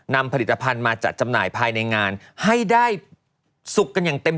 นำผลิตภัณฑ์มาจัดจำหน่ายภายในงานให้ได้สุกกันอย่างเต็ม